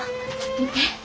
見て。